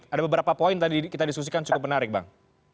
ada beberapa poin tadi kita diskusikan cukup menarik bang